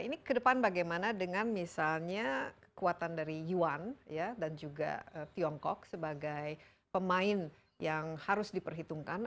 ini ke depan bagaimana dengan misalnya kekuatan dari yuan dan juga tiongkok sebagai pemain yang harus diperhitungkan